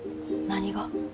何が？